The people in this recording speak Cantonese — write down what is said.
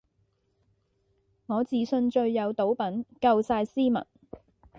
我自信最有賭品,夠曬斯文